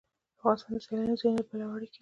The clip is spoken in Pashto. افغانستان د سیلاني ځایونو له پلوه اړیکې لري.